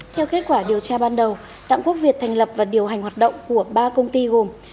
theo kết quả điều tra ban đầu đặng quốc việt thành lập và điều hành hoạt động của ba công ty gồm